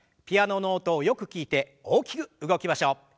ピアノの音をよく聞いて大きく動きましょう。